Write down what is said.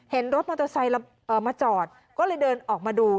เห็นรถมอเตอร์ไซค์มาจอดก็เลยเดินออกมาดู